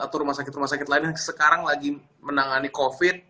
atau rumah sakit rumah sakit lain yang sekarang lagi menangani covid